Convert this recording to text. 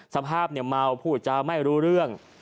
สภาพเมาพูดจะไม่รู้เรื่อง